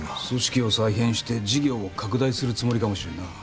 組織を再編して事業を拡大するつもりかもしれんな。